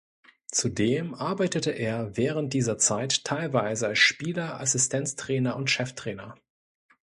Zudem arbeitete er während dieser Zeit teilweise als Spieler-Assistenztrainer und Cheftrainer.